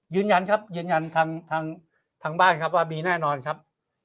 ยืนยันครับยืนยันทางบ้านครับว่ามีแน่นอนครับ